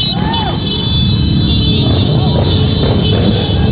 สวัสดีครับ